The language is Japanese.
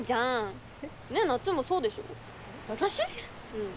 うん。